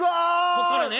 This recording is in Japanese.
こっからね。